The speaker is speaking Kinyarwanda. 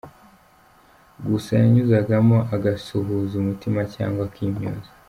Gusa yanyuzagamo agasuhuza umutima cyangwa akimyoza.